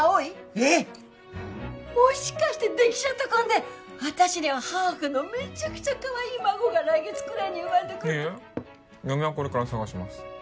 えっもしかしてできちゃった婚で私にはハーフのメチャクチャかわいい孫が来月くらいに生まれてくるいえいえ嫁はこれから探します